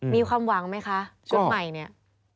มีความหวังไหมคะชุดใหม่เนี่ย